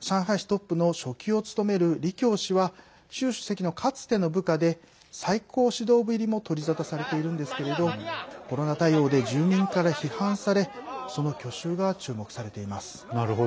上海市トップの書記を務める李強氏は習主席のかつての部下で最高指導部入りも取り沙汰されているんですけれどコロナ対応で住民から批判されその去就が注目されています。